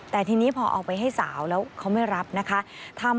แต่ทีนี้พอเอาไปให้สาวแล้วเขาไม่รับนะคะ